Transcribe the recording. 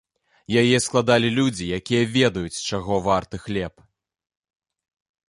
Яе складалі людзі, якія ведаюць, чаго варты хлеб.